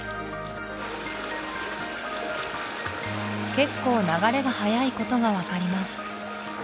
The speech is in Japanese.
結構流れが速いことが分かります